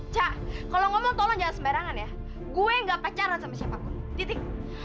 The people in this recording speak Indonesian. cak kalau ngomong tolong jangan sembarangan ya gue gak pacaran sama siapapun titik